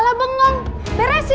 malah bengong beresin